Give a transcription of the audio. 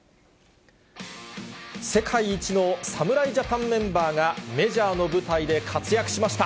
世界一の侍ジャパンのメンバーが、メジャーの舞台で活躍しました。